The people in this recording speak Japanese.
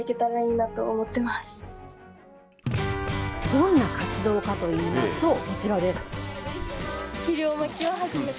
どんな活動かといいますと、こちらです。